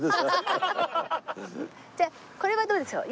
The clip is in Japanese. じゃあこれはどうでしょう？